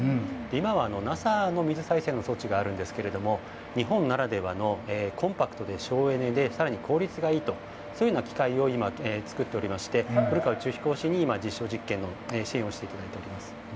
今はＮＡＳＡの水再生の装置があるんですけれども、日本ならではの、コンパクトで省エネで、さらに効率がいいと、そういうような機体を今、作っておりまして、古川宇宙飛行士に今、実証実験の支援をしていただいております。